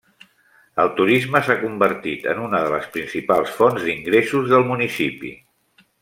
El turisme s'ha convertit en una de les principals fonts d'ingressos del municipi.